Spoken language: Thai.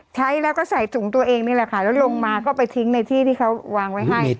ใช้แล้วก็ใส่ถุงตัวเองนี่แหละค่ะแล้วลงมาก็ไปทิ้งในที่ที่เขาวางไว้ให้